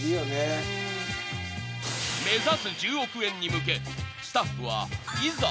［目指す１０億円に向けスタッフはいざ